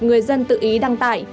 người dân tự ý đăng tải